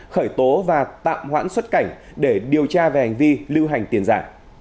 khởi tố và tạm hoãn xuất cảnh để điều tra về hành vi lưu hành tiền giả